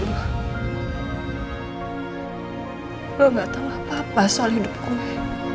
lo nggak tau apa apa soal hidup gue